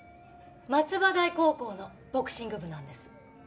松葉台高校のボクシング部なんです。